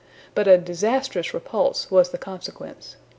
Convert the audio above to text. But a disastrous repulse was the consequence.